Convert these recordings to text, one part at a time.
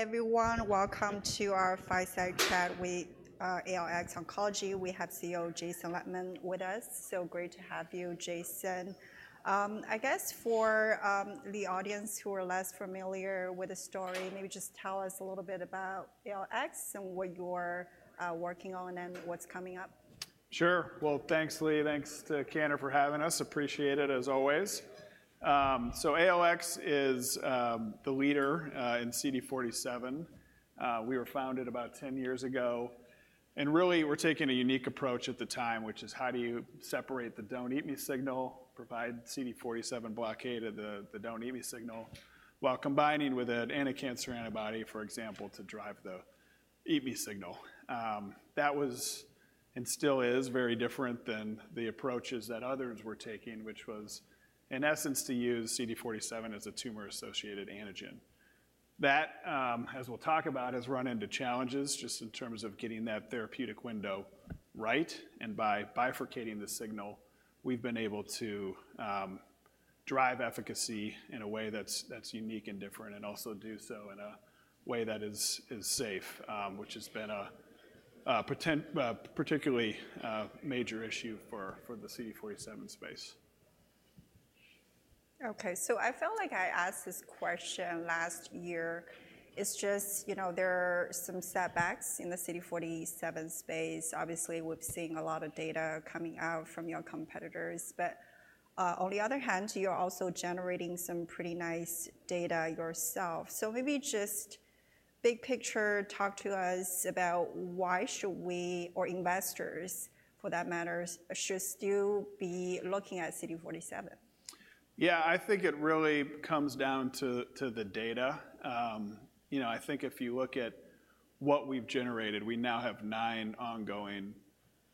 Hi, everyone. Welcome to our Fireside Chat with ALX Oncology. We have CEO Jason Lettmann with us. So great to have you, Jason. I guess for the audience who are less familiar with the story, maybe just tell us a little bit about ALX and what you're working on and what's coming up. Sure. Well, thanks, Lee. Thanks to Cantor for having us. Appreciate it, as always. So ALX is the leader in CD47. We were founded about ten years ago, and really, we're taking a unique approach at the time, which is, how do you separate the "don't eat me" signal, provide CD47 blockade of the "don't eat me" signal, while combining with an anticancer antibody, for example, to drive the "eat me" signal? That was, and still is, very different than the approaches that others were taking, which was, in essence, to use CD47 as a tumor-associated antigen. That, as we'll talk about, has run into challenges just in terms of getting that therapeutic window right, and by bifurcating the signal, we've been able to drive efficacy in a way that's unique and different, and also do so in a way that is safe, which has been a particularly major issue for the CD47 space. Okay, so I felt like I asked this question last year. It's just, you know, there are some setbacks in the CD47 space. Obviously, we're seeing a lot of data coming out from your competitors, but on the other hand, you're also generating some pretty nice data yourself. So maybe just big picture, talk to us about why should we, or investors, for that matter, should still be looking at CD47? Yeah, I think it really comes down to the data. You know, I think if you look at what we've generated, we now have nine ongoing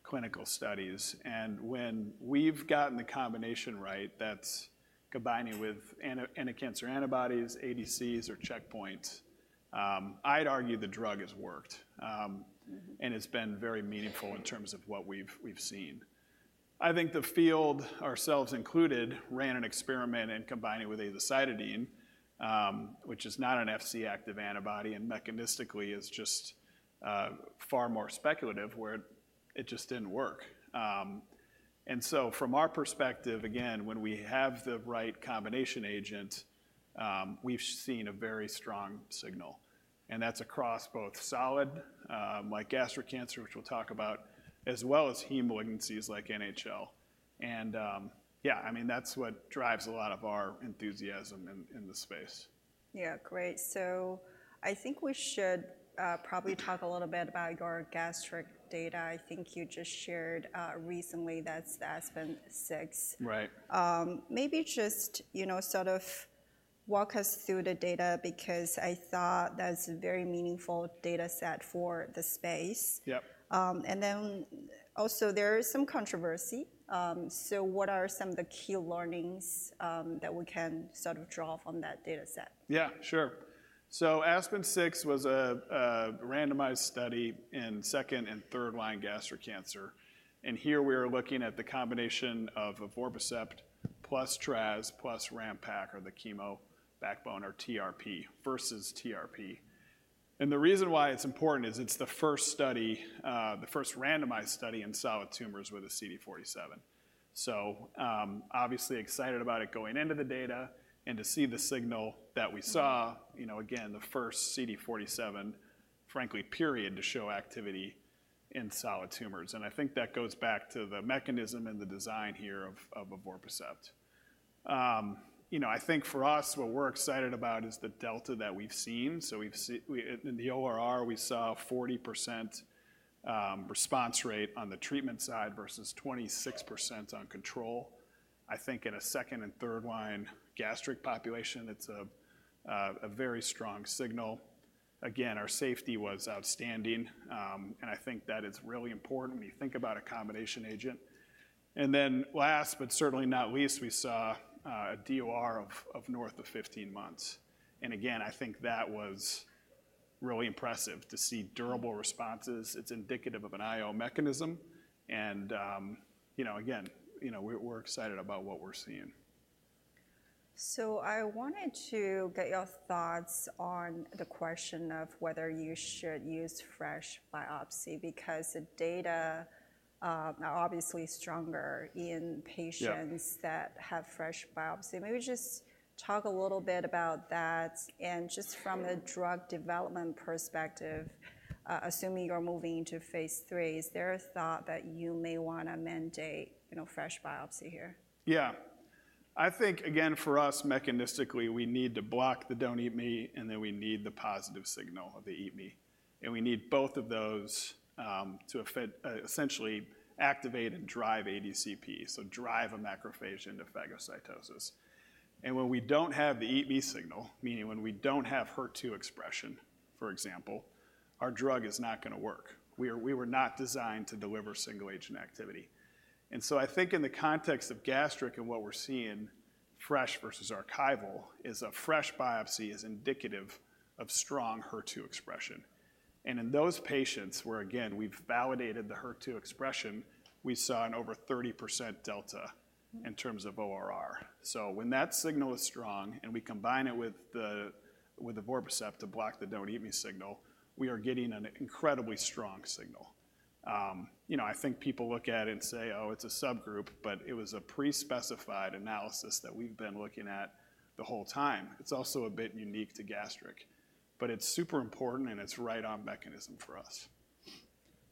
clinical studies, and when we've gotten the combination right, that's combining with anti-cancer antibodies, ADCs, or checkpoints, I'd argue the drug has worked. And it's been very meaningful in terms of what we've seen. I think the field, ourselves included, ran an experiment in combining with Azacitidine, which is not an Fc active antibody, and mechanistically is just far more speculative, where it just didn't work. And so from our perspective, again, when we have the right combination agent, we've seen a very strong signal, and that's across both solid, like gastric cancer, which we'll talk about, as well as heme malignancies, like NHL. Yeah, I mean, that's what drives a lot of our enthusiasm in the space. Yeah, great. So I think we should probably talk a little bit about your gastric data. I think you just shared recently, that's the ASPEN-06. Right. Maybe just, you know, sort of walk us through the data because I thought that's a very meaningful data set for the space. Yep. And then also there is some controversy. So what are some of the key learnings that we can sort of draw from that data set? Yeah, sure. ASPEN-06 was a randomized study in second- and third-line gastric cancer, and here we are looking at the combination of evorpacept plus trastuzumab plus RAMPAC, or the chemo backbone, or TRP, versus TRP. And the reason why it's important is it's the first study, the first randomized study in solid tumors with a CD47. So, obviously excited about it going into the data and to see the signal that we saw, you know, again, the first CD47, frankly, period, to show activity in solid tumors. And I think that goes back to the mechanism and the design here of evorpacept. You know, I think for us, what we're excited about is the delta that we've seen. So we've seen in the ORR, we saw a 40% response rate on the treatment side versus 26% on control. I think in a second- and third-line gastric population, it's a very strong signal. Again, our safety was outstanding, and I think that it's really important when you think about a combination agent. And then last, but certainly not least, we saw a DOR of north of 15 months. And again, I think that was really impressive to see durable responses. It's indicative of an IO mechanism, and you know, again, you know, we're excited about what we're seeing. So I wanted to get your thoughts on the question of whether you should use fresh biopsy, because the data are obviously stronger in patients- Yeah... that have fresh biopsy. Maybe just talk a little bit about that, and just from a drug development perspective, assuming you're moving to Phase III, is there a thought that you may wanna mandate, you know, fresh biopsy here? Yeah. I think, again, for us, mechanistically, we need to block the "don't eat me," and then we need the positive signal of the "eat me." And we need both of those to essentially activate and drive ADCP, so drive a macrophage into phagocytosis. And when we don't have the "eat me" signal, meaning when we don't have Enhertu expression, for example, our drug is not gonna work. We were not designed to deliver single-agent activity. And so I think in the context of gastric and what we're seeing, fresh versus archival, is a fresh biopsy is indicative of strong Enhertu expression. And in those patients where, again, we've validated the Enhertu expression, we saw an over 30% delta- Mm-hmm. in terms of ORR. So when that signal is strong, and we combine it with the evorpacept to block the don't eat me signal, we are getting an incredibly strong signal. You know, I think people look at it and say, "Oh, it's a subgroup," but it was a pre-specified analysis that we've been looking at the whole time. It's also a bit unique to gastric, but it's super important, and it's right on mechanism for us.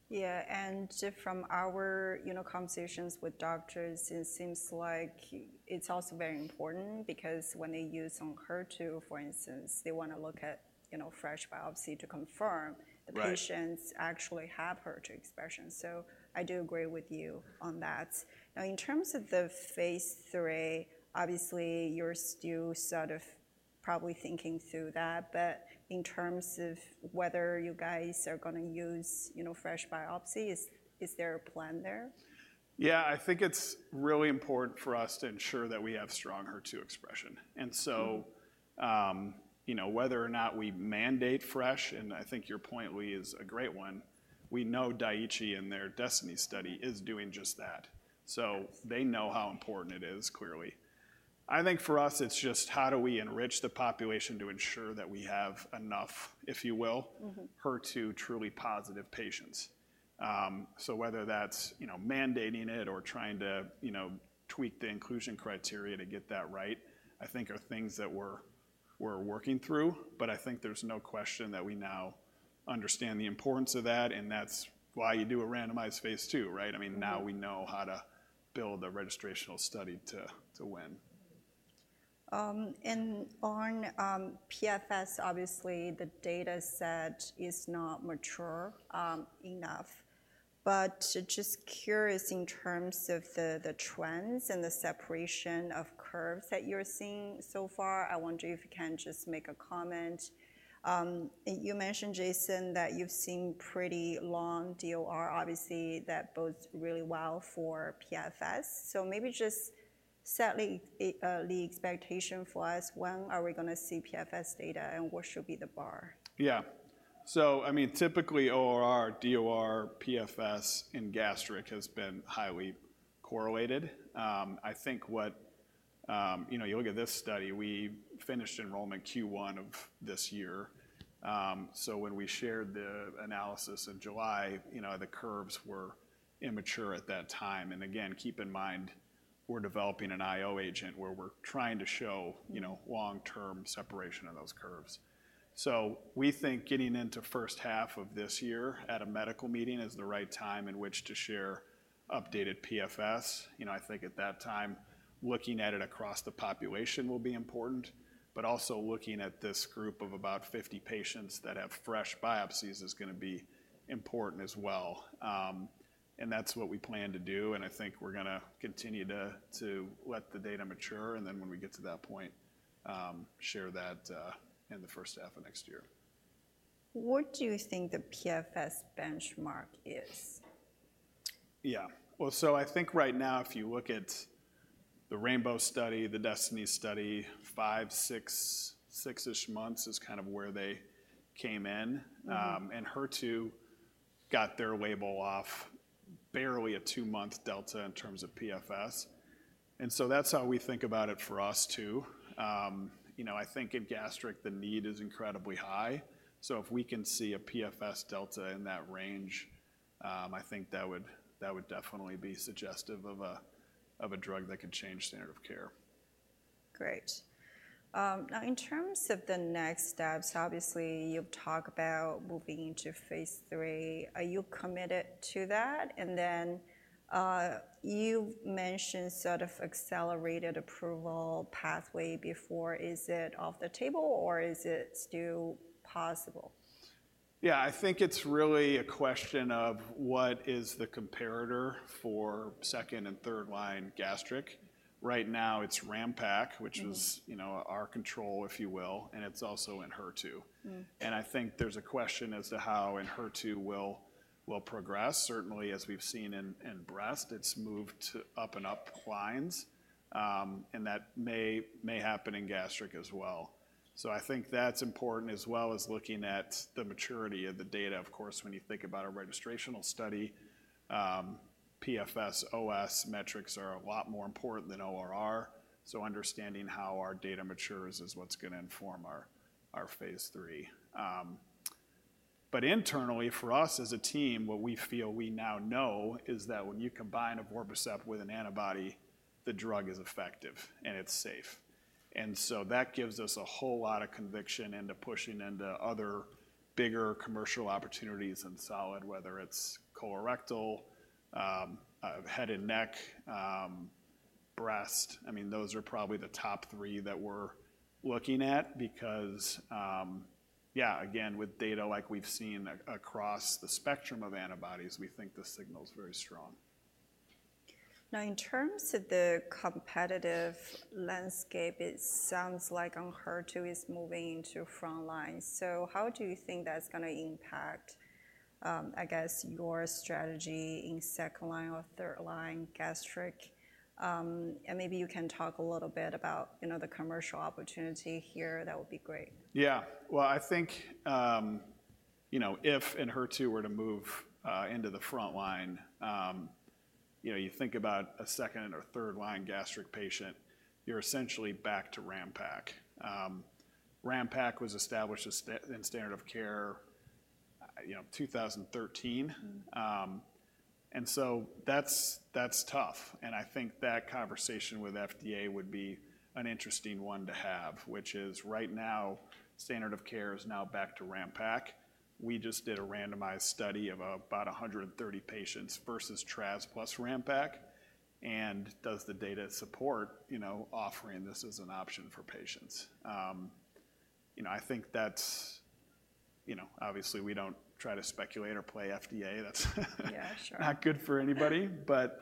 Yeah, and from our, you know, conversations with doctors, it seems like it's also very important because when they use on HER2, for instance, they want to look at, you know, fresh biopsy to confirm- Right. The patients actually have HER2 expression. So I do agree with you on that. Now, in terms of the phase three, obviously, you're still sort of probably thinking through that, but in terms of whether you guys are gonna use, you know, fresh biopsy, is there a plan there? Yeah, I think it's really important for us to ensure that we have strong HER2 expression. Mm-hmm. And so, you know, whether or not we mandate fresh, and I think your point, Lee, is a great one. We know Daiichi in their DESTINY study is doing just that. Yes. So they know how important it is, clearly. I think for us, it's just how do we enrich the population to ensure that we have enough, if you will- Mm-hmm... HER2 truly positive patients? So whether that's, you know, mandating it or trying to, you know, tweak the inclusion criteria to get that right, I think are things that we're working through, but I think there's no question that we now understand the importance of that, and that's why you do a randomized phase two, right? Mm-hmm. I mean, now we know how to build a registrational study to win. And on PFS, obviously the data set is not mature enough. But just curious in terms of the trends and the separation of curves that you're seeing so far, I wonder if you can just make a comment. You mentioned, Jason, that you've seen pretty long DOR. Obviously, that bodes really well for PFS. So maybe just setting the expectation for us, when are we gonna see PFS data, and what should be the bar? Yeah. So I mean, typically, ORR, DOR, PFS in gastric has been highly correlated. I think you know, you look at this study, we finished enrollment Q1 of this year. So when we shared the analysis in July, you know, the curves were immature at that time. And again, keep in mind, we're developing an IO agent where we're trying to show, you know, long-term separation of those curves. So we think getting into first half of this year at a medical meeting is the right time in which to share updated PFS. You know, I think at that time, looking at it across the population will be important, but also looking at this group of about 50 patients that have fresh biopsies is gonna be important as well. And that's what we plan to do, and I think we're gonna continue to let the data mature, and then when we get to that point, share that in the first half of next year. What do you think the PFS benchmark is? Yeah. Well, so I think right now, if you look at the RAINBOW study, the DESTINY study, five, six, six-ish months is kind of where they came in. Mm-hmm. HER2 got their label off barely a two-month delta in terms of PFS, and so that's how we think about it for us, too. You know, I think in gastric, the need is incredibly high, so if we can see a PFS delta in that range, I think that would definitely be suggestive of a drug that could change standard of care. Great. Now in terms of the next steps, obviously, you've talked about moving into phase three. Are you committed to that? And then, you've mentioned sort of accelerated approval pathway before. Is it off the table, or is it still possible? Yeah, I think it's really a question of what is the comparator for second and third line gastric. Right now, it's RAMPAC- Mm-hmm... which is, you know, our control, if you will, and it's also in HER2. Mm. I think there's a question as to how HER2 will progress. Certainly, as we've seen in breast, it's moved to up and up lines, and that may happen in gastric as well. So I think that's important, as well as looking at the maturity of the data. Of course, when you think about a registrational study, PFS, OS metrics are a lot more important than ORR. So understanding how our data matures is what's gonna inform our phase three. But internally, for us as a team, what we feel we now know is that when you combine evorpacept with an antibody, the drug is effective, and it's safe. And so that gives us a whole lot of conviction into pushing into other bigger commercial opportunities in solid, whether it's colorectal, head and neck, breast. I mean, those are probably the top three that we're looking at because, again, with data like we've seen across the spectrum of antibodies, we think the signal is very strong. Now, in terms of the competitive landscape, it sounds like Enhertu is moving into front line. So how do you think that's gonna impact? I guess your strategy in second-line or third-line gastric, and maybe you can talk a little bit about, you know, the commercial opportunity here. That would be great. Yeah. Well, I think, you know, if HER2 were to move into the front line, you know, you think about a second or third-line gastric patient, you're essentially back to RAMPAC. RAMPAC was established as standard of care, you know, 2013. And so that's, that's tough, and I think that conversation with FDA would be an interesting one to have, which is, right now, standard of care is now back to RAMPAC. We just did a randomized study of about 130 patients versus TRAS plus RAMPAC, and does the data support, you know, offering this as an option for patients? You know, I think that's, you know, obviously, we don't try to speculate or play FDA. That's- Yeah, sure. - not good for anybody. But,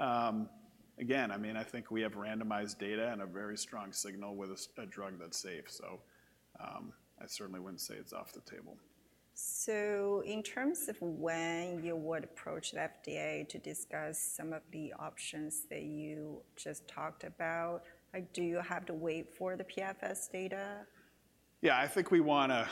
again, I mean, I think we have randomized data and a very strong signal with a drug that's safe, so, I certainly wouldn't say it's off the table. So in terms of when you would approach the FDA to discuss some of the options that you just talked about, like, do you have to wait for the PFS data? Yeah, I think we wanna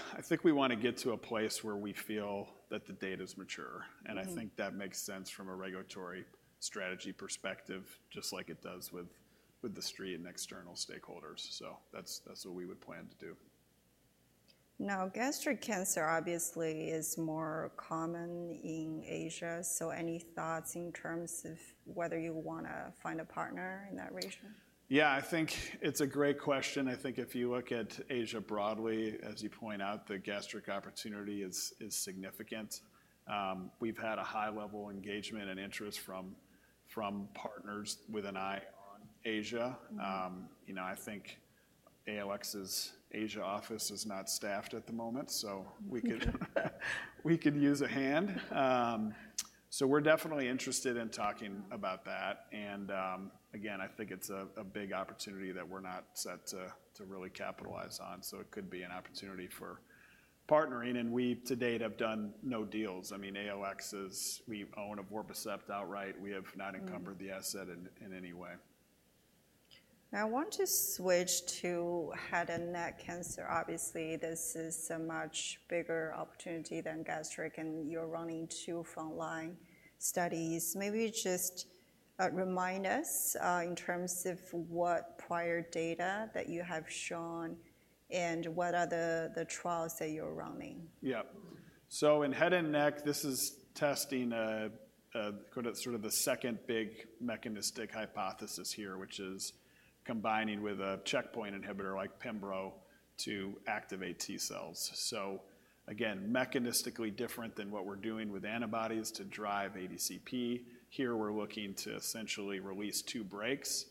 get to a place where we feel that the data's mature. Mm-hmm. I think that makes sense from a regulatory strategy perspective, just like it does with the street and external stakeholders. That's what we would plan to do. Now, gastric cancer obviously is more common in Asia, so any thoughts in terms of whether you wanna find a partner in that region? Yeah, I think it's a great question. I think if you look at Asia broadly, as you point out, the gastric opportunity is significant. We've had a high level of engagement and interest from, from partners with an eye on Asia. Mm. You know, I think ALX's Asia office is not staffed at the moment, so we could use a hand. So we're definitely interested in talking about that. And again, I think it's a big opportunity that we're not set to really capitalize on. So it could be an opportunity for partnering, and we, to date, have done no deals. I mean, ALX is... We own evorpacept outright. We have not- Mm... encumbered the asset in any way. Now, I want to switch to head and neck cancer. Obviously, this is a much bigger opportunity than gastric, and you're running two frontline studies. Maybe just remind us in terms of what prior data that you have shown and what are the trials that you're running. Yeah. So in head and neck, this is testing a sort of the second big mechanistic hypothesis here, which is combining with a checkpoint inhibitor like Pembro to activate T-cells. So again, mechanistically different than what we're doing with antibodies to drive ADCP. Here, we're looking to essentially release two brakes,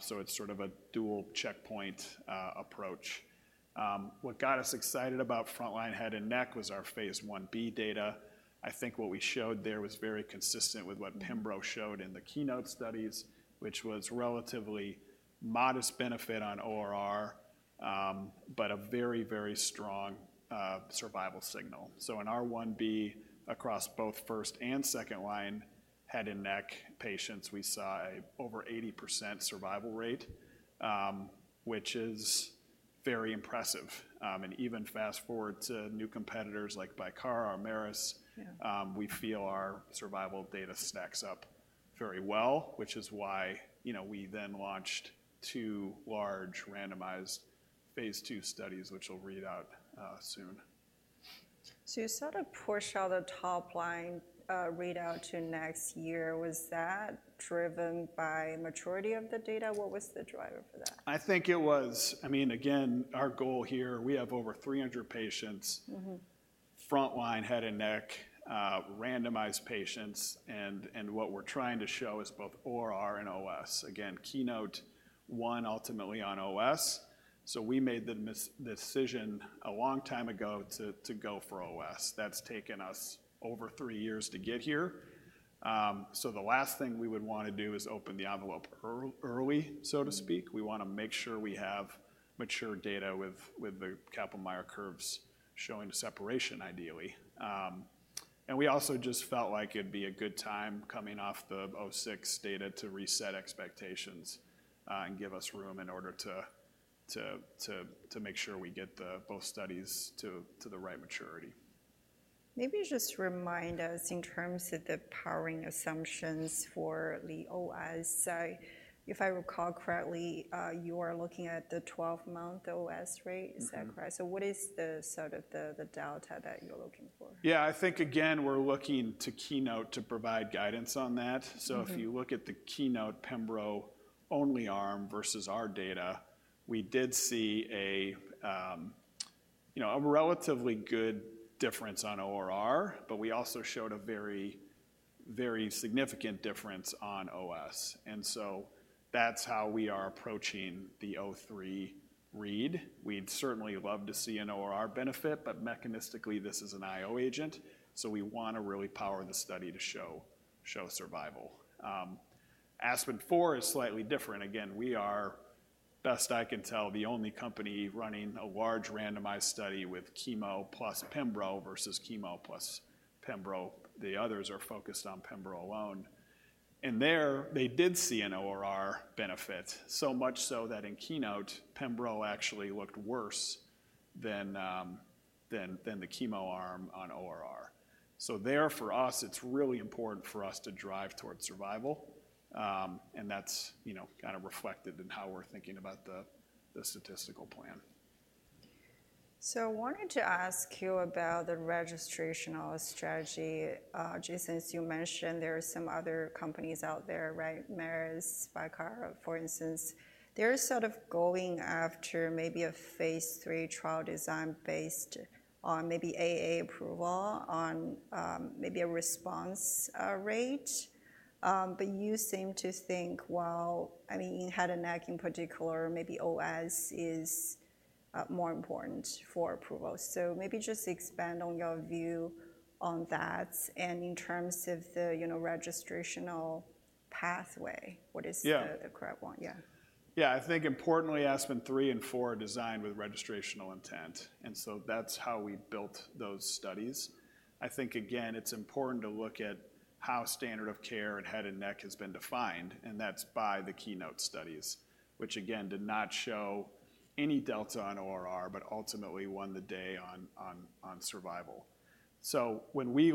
so it's sort of a dual checkpoint approach. What got us excited about frontline head and neck was our Phase Ib data. I think what we showed there was very consistent with what- Mm Pembro showed in the KEYNOTE studies, which was relatively modest benefit on ORR, but a very, very strong survival signal. So in our Ib, across both first and second line head and neck patients, we saw over 80% survival rate, which is very impressive. And even fast forward to new competitors like Bikara or Merus- Yeah... we feel our survival data stacks up very well, which is why, you know, we then launched two large randomized phase II studies, which will read out soon. You sort of push out the top line readout to next year. Was that driven by maturity of the data? What was the driver for that? I mean, again, our goal here, we have over 300 patients- Mm-hmm... frontline head and neck randomized patients, and what we're trying to show is both ORR and OS. Again, KEYNOTE-048 ultimately on OS, so we made the decision a long time ago to go for OS. That's taken us over three years to get here. So the last thing we would want to do is open the envelope early, so to speak. Mm. We wanna make sure we have mature data with the Kaplan-Meier curves showing separation, ideally, and we also just felt like it'd be a good time coming off the 06 data to reset expectations, and give us room in order to make sure we get both studies to the right maturity. Maybe just remind us in terms of the powering assumptions for the OS. So if I recall correctly, you are looking at the twelve-month OS rate. Mm-hmm. Is that correct? So what is the sort of the delta that you're looking for? Yeah, I think, again, we're looking to KEYNOTE to provide guidance on that. Mm-hmm. So if you look at the KEYNOTE Pembro-only arm versus our data, we did see a, you know, a relatively good difference on ORR, but we also showed a very, very significant difference on OS, and so that's how we are approaching the ASPEN-03 read. We'd certainly love to see an ORR benefit, but mechanistically, this is an IO agent, so we want to really power the study to show survival. ASPEN-04 is slightly different. Again, best I can tell, the only company running a large randomized study with chemo plus pembro versus chemo plus pembro. The others are focused on pembro alone. And there, they did see an ORR benefit, so much so that in KEYNOTE, pembro actually looked worse than the chemo arm on ORR. So there, for us, it's really important for us to drive towards survival, and that's, you know, kind of reflected in how we're thinking about the statistical plan. I wanted to ask you about the registrational strategy. Jason, as you mentioned, there are some other companies out there, right? Merus, Bikara, for instance. They're sort of going after maybe a phase III trial design based on maybe AA approval, on maybe a response rate. But you seem to think, well, I mean, in head and neck in particular, maybe OS is more important for approval. Maybe just expand on your view on that, and in terms of the, you know, registrational pathway, what is- Yeah the correct one? Yeah. Yeah, I think importantly, ASPEN-03 and ASPEN-04 are designed with registrational intent, and so that's how we built those studies. I think, again, it's important to look at how standard of care in head and neck has been defined, and that's by the KEYNOTE studies, which again, did not show any delta on ORR, but ultimately won the day on survival. So when we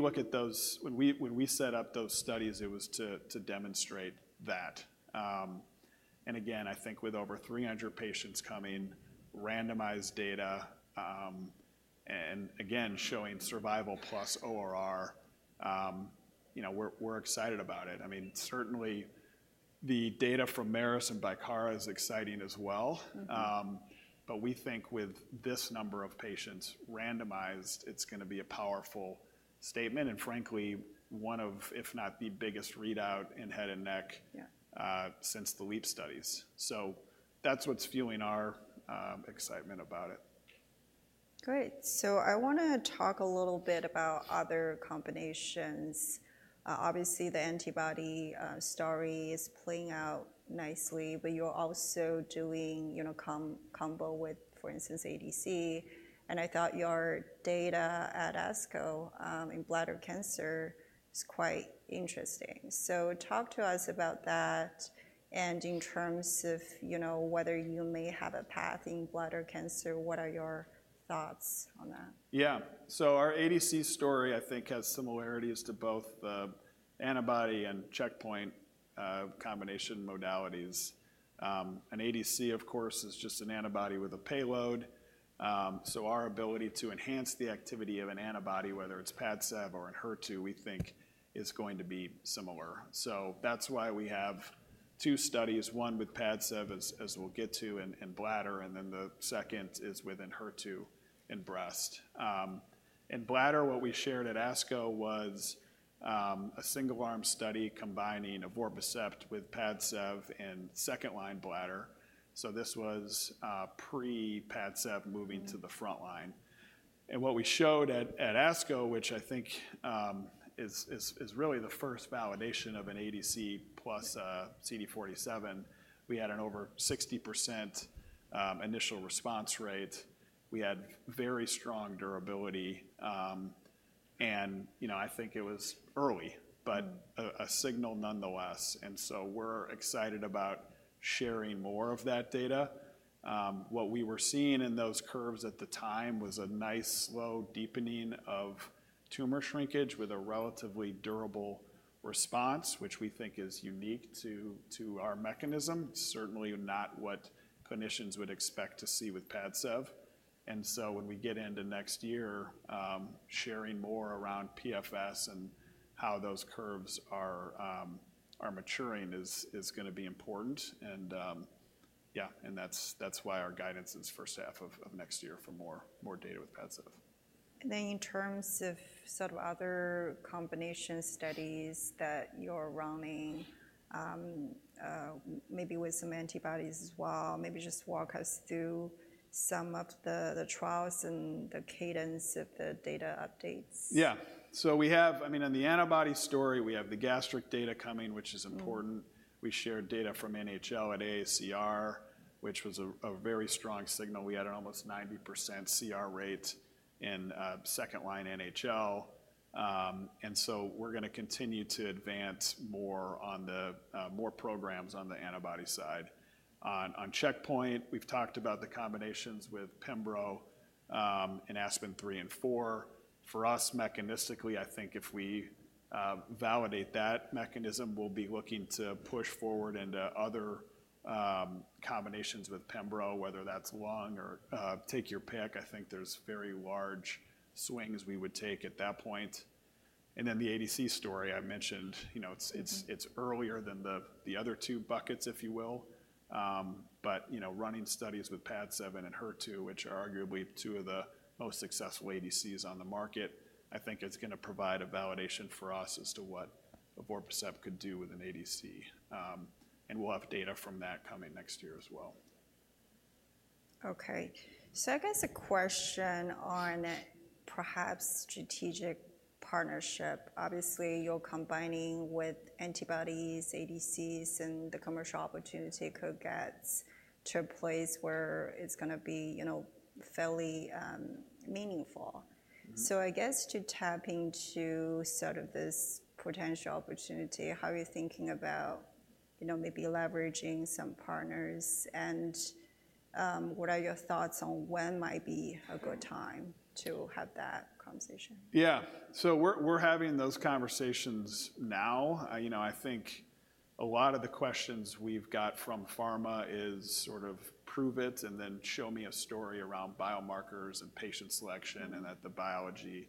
set up those studies, it was to demonstrate that. Again, I think with over 300 patients coming, randomized data, and again, showing survival plus ORR, you know, we're excited about it. I mean, certainly the data from Merus and Bikara is exciting as well. Mm-hmm. But we think with this number of patients randomized, it's gonna be a powerful statement, and frankly, one of, if not the biggest readout in head and neck... Yeah Since the LEAP studies. So that's what's fueling our excitement about it. Great, so I wanna talk a little bit about other combinations. Obviously, the antibody story is playing out nicely, but you're also doing, you know, combo with, for instance, ADC, and I thought your data at ASCO in bladder cancer was quite interesting, so talk to us about that, and in terms of, you know, whether you may have a path in bladder cancer, what are your thoughts on that? Yeah. So our ADC story, I think, has similarities to both the antibody and checkpoint combination modalities. An ADC, of course, is just an antibody with a payload. So our ability to enhance the activity of an antibody, whether it's Padcev or an HER2, we think is going to be similar. That's why we have two studies, one with Padcev, as we'll get to, in bladder, and then the second is with an HER2 in breast. In bladder, what we shared at ASCO was a single-arm study combining Evorpacept with Padcev in second-line bladder. This was pre-Padcev moving- Mm-hmm... to the front line. And what we showed at ASCO, which I think is really the first validation of an ADC plus CD47, we had an over 60% initial response rate. We had very strong durability, and, you know, I think it was early, but a signal nonetheless. And so we're excited about sharing more of that data. What we were seeing in those curves at the time was a nice, slow deepening of tumor shrinkage with a relatively durable response, which we think is unique to our mechanism. Certainly not what clinicians would expect to see with Padcev. And so when we get into next year, sharing more around PFS and how those curves are maturing is gonna be important. That's why our guidance is for the second half of next year for more data with Padcev. And then in terms of sort of other combination studies that you're running, maybe with some antibodies as well, maybe just walk us through some of the trials and the cadence of the data updates. Yeah. So we have, I mean, on the antibody story, we have the gastric data coming, which is important. Mm. We shared data from NHL at AACR, which was a very strong signal. We had an almost 90% CR rate in second-line NHL. And so we're gonna continue to advance more on the more programs on the antibody side. On checkpoint, we've talked about the combinations with pembro and ASPEN-03 and ASPEN-04. For us, mechanistically, I think if we validate that mechanism, we'll be looking to push forward into other combinations with pembro, whether that's lung or take your pick. I think there's very large swings we would take at that point. And then the ADC story I mentioned, you know, it's- Mm-hmm ...it's earlier than the other two buckets, if you will, but you know, running studies with Padcev and Enhertu, which are arguably two of the most successful ADCs on the market, I think it's gonna provide a validation for us as to what evorpacept could do with an ADC, and we'll have data from that coming next year as well.... Okay, so I guess a question on perhaps strategic partnership. Obviously, you're combining with antibodies, ADCs, and the commercial opportunity could get to a place where it's gonna be, you know, fairly, meaningful. Mm-hmm. I guess to tap into sort of this potential opportunity, how are you thinking about, you know, maybe leveraging some partners, and what are your thoughts on when might be a good time to have that conversation? Yeah. So we're having those conversations now. You know, I think a lot of the questions we've got from pharma is sort of, "Prove it, and then show me a story around biomarkers and patient selection, and that the biology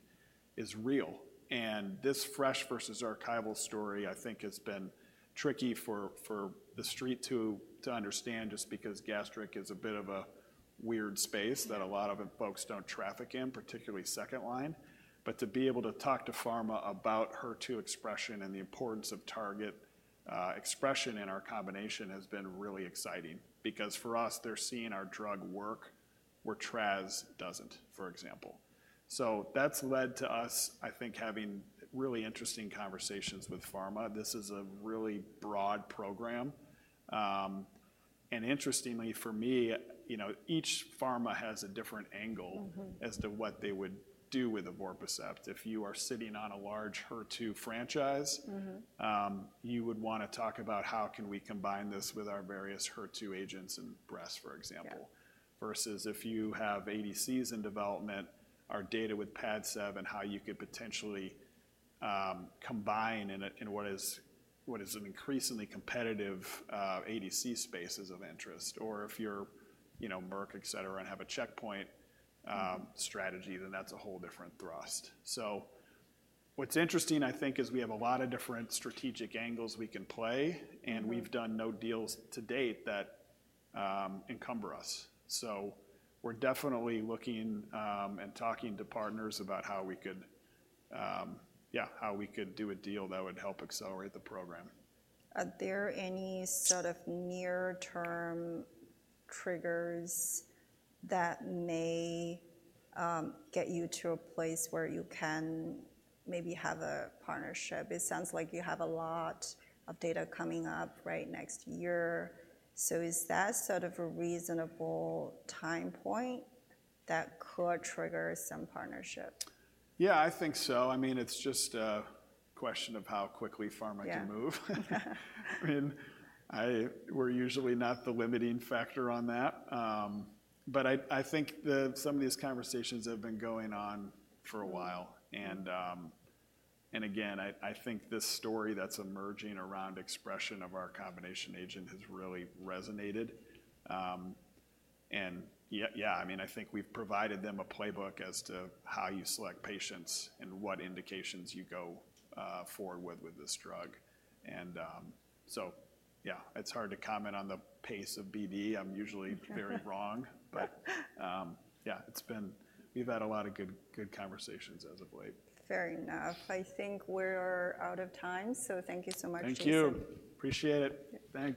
is real." And this fresh versus archival story, I think, has been tricky for the street to understand, just because gastric is a bit of a weird space that a lot of the folks don't traffic in, particularly second line. But to be able to talk to pharma about HER2 expression and the importance of target expression in our combination has been really exciting. Because for us, they're seeing our drug work where Traz doesn't, for example. So that's led to us, I think, having really interesting conversations with pharma. This is a really broad program. And interestingly, for me, you know, each pharma has a different angle- Mm-hmm. As to what they would do with evorpacept. If you are sitting on a large HER2 franchise- Mm-hmm. You would wanna talk about how can we combine this with our various HER2 agents in breast, for example? Yeah. Versus if you have ADCs in development, our data with Padcev and how you could potentially combine in what is an increasingly competitive ADC space is of interest. Or if you're, you know, Merck, et cetera, and have a checkpoint strategy, then that's a whole different thrust. So what's interesting, I think, is we have a lot of different strategic angles we can play- Mm-hmm. and we've done no deals to date that encumber us. So we're definitely looking and talking to partners about how we could do a deal that would help accelerate the program. Are there any sort of near-term triggers that may get you to a place where you can maybe have a partnership? It sounds like you have a lot of data coming up right next year. So is that sort of a reasonable time point that could trigger some partnership? Yeah, I think so. I mean, it's just a question of how quickly pharma can move. Yeah. I mean, we're usually not the limiting factor on that, but I think that some of these conversations have been going on for a while. Mm-hmm. And again, I think this story that's emerging around expression of our combination agent has really resonated. And yeah, I mean, I think we've provided them a playbook as to how you select patients and what indications you go forward with this drug. And so yeah, it's hard to comment on the pace of BD. I'm usually very wrong. But yeah, it's been we've had a lot of good conversations as of late. Fair enough. I think we're out of time, so thank you so much, Jason. Thank you. Appreciate it. Thanks.